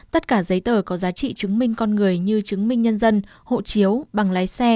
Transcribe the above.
tất cả giấy tờ có giá trị chứng minh con người như chứng minh nhân dân hộ chiếu bằng lái xe